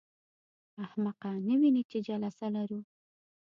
احمقه! نه وینې چې جلسه لرو.